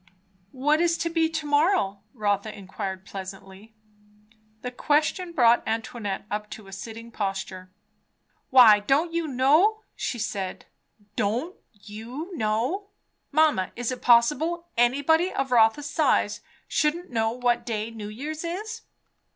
"What is to be to morrow?" Rotha inquired pleasantly. The question brought Antoinette up to a sitting posture. "Why don't you know?" she said. "Don't you know? Mamma, is it possible anybody of Rotha's size shouldn't know what day New Year's is?"